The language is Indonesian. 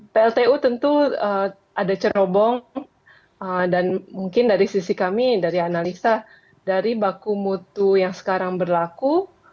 pltu tentu ada cerobong dan mungkin dari sisi kami dari analisa dari baku mutu yang sekarang berlaku